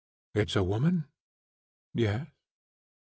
"It's a woman?" "Yes."